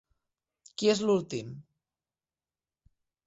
Qui és l'últim?